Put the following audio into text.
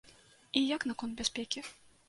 І як наконт бяспекі?